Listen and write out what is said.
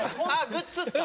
グッズっすか？